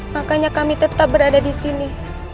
makanya kami tetap berada disini